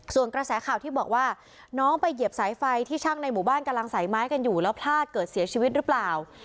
ส่วนกระแสข่าวที่บอกว่าน้องไปเหยียบสายไฟที่ช่างในหมู่บ้านกำลังใส่ไม้กันอยู่แล้วพลาดเกิดเสียชีวิตหรือเปล่า